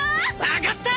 分かった！